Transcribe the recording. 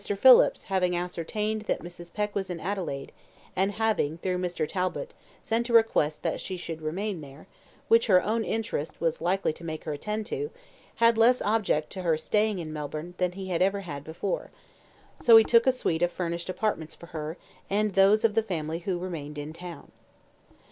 Phillips having ascertained that Mrs. Peck was in Adelaide, and having, through Mr. Talbot, sent a request that she should remain there, which her own interest was likely to make her attend to, had less objection to her staying in Melbourne than he ever had before; so he took a suite of furnished apartments for her and those of the family who remained in town.